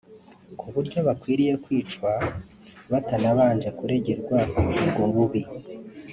ku buryo bakwiriye kwicwa (batanabanje kuregerwa ubwo bubi